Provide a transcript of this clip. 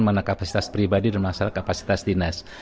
mana kapasitas pribadi dan masalah kapasitas dinas